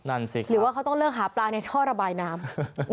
นั่นสิครับหรือว่าเขาต้องเลิกหาปลาในท่อระบายน้ำ